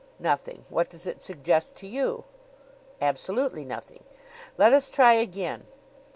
"Nothing. What does it suggest to you?" "Absolutely nothing. Let us try again.